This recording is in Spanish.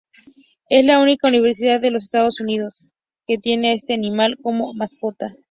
Es la única universidad de Estados Unidos que tiene a este animal como mascota.